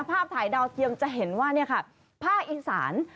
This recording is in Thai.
ภาพถ่ายดาวเทียมจะเห็นว่าภาคอีสาน